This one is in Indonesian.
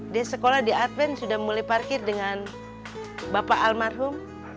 dia sekolah di adven sudah mulai parkir dengan bapak almarhum